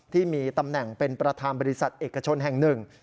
ที่มีตำแหน่งเป็นประธานบริษัทเอกชนแห่งหนึ่ง